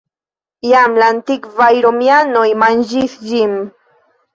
Jam la antikvaj romianoj manĝis ĝin.